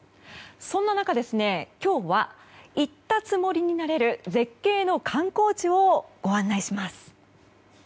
そんな中、今日は行ったつもりになれる絶景の観光地をご案内します。